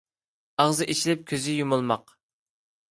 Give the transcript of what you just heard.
ئاغزى ئېچىلىپ كۆزى يۇمۇلماق.